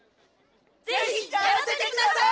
ぜひやらせてください！